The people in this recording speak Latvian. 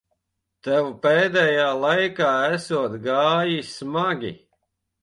Tev pēdējā laikā esot gājis smagi.